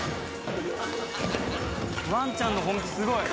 「ワンちゃんの本気すごい」